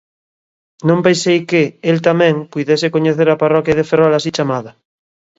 Non pensei que, el tamén, puidese coñecer a parroquia de Ferrol así chamada.